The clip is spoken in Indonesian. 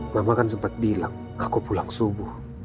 mama kan sempat bilang aku pulang subuh